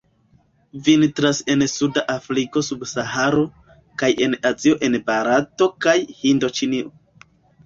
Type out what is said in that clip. Vintras en suda Afriko sub Saharo, kaj en Azio en Barato kaj Hindoĉinio.